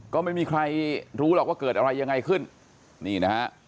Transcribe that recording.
ก็ไม่มีใครรู้หรอกว่าเกิดอะไรยังไงขึ้นนี่นะฮะ